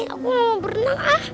aku mau berenang ah